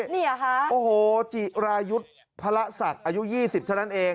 นี่เหรอคะโอ้โหจิรายุทธ์พระศักดิ์อายุ๒๐เท่านั้นเอง